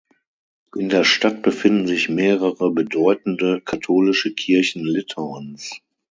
In der Stadt befinden sich mehrere bedeutende katholische Kirchen Litauens.